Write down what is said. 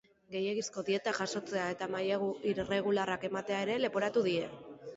Gehiegizko dietak jasotzea eta mailegu irregularrak ematea ere leporatu die.